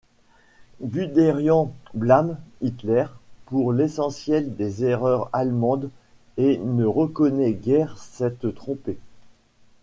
Guderian blâme Hitler pour l'essentiel des erreurs allemandes et ne reconnaît guère s'être trompé.